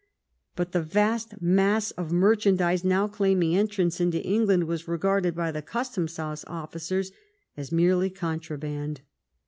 But the vast mass of merchan dise now claiming entrance into England was regarded by the custom house officers as merely contraband.